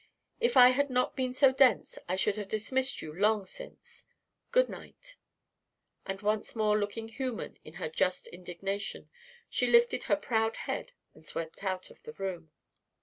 If I had not been so dense I should have dismissed you long since. Good night." And, once more looking human in her just indignation, she lifted her proud head and swept out of the room.